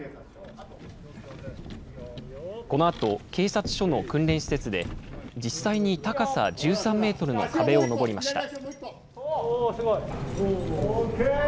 このあと、警察署の訓練施設で、実際に高さ１３メートルの壁を登りました。